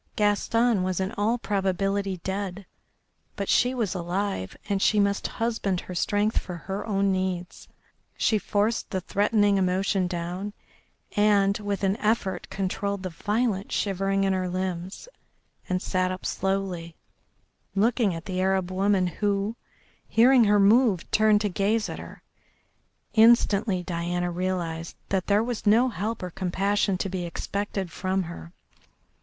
Gaston was in all probability dead, but she was alive, and she must husband her strength for her own needs. She forced the threatening emotion down, and, with an effort, controlled the violent shivering in her limbs, and sat up slowly, looking at the Arab woman, who, hearing her move, turned to gaze at her. Instantly Diana realised that there was no help or compassion to be expected from her.